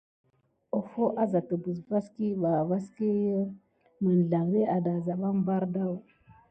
Hofo azà təɓəz vaski mizelamɗe adaou saback sikéte van maya cordu kum bardaou.